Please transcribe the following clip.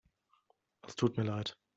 Es tut mir leid.